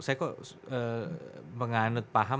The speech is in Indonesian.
saya kok menganut paham